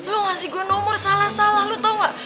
lu ngasih gue nomor salah salah lo tau gak